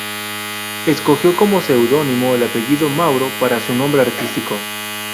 Escogió como seudónimo el apellido "Mauro" para su nombre artístico.